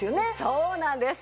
そうなんです。